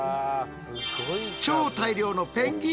超大量のペンギン。